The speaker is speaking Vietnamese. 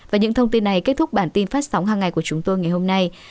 và những thông tin này kết thúc bản tin phát sóng hàng ngày của chúng tôi ngày hôm nay